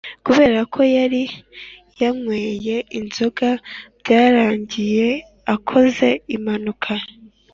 kubera ko yari yanyweye inzoga byarangiye akoze impanuka